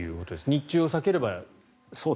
日中を避ければという。